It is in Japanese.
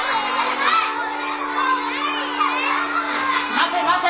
待て待て。